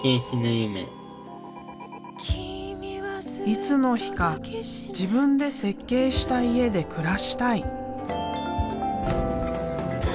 いつの日か自分で設計した家で暮らしたい。